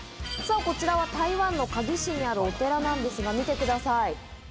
こちらは台湾の嘉義市にあるお寺なんですが見てください。